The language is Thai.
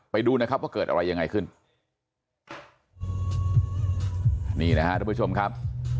ไปดูนะครับว่าเกิดอะไรยังไงขึ้นนี่นะฮะทุกผู้ชมครับ